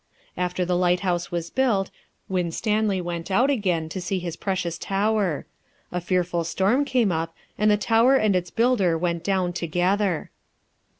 '" After the lighthouse was built, Winstanley went out again to see his precious tower. A fearful storm came up, and the tower and its builder went down together.